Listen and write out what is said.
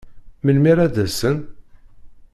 Melmi ara d-asen?